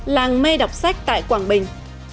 làng mê đọc sách tại quảng bình